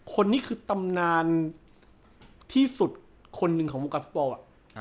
คนนี้คือตำนานที่สุดคนหนึ่งของวงการฟุตบอล